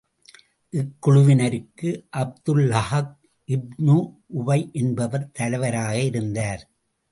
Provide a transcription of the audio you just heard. இக்குழுவினருக்கு அப்துல்லாஹ் இப்னு உபை என்பவர் தலைவராக இருந்தார்.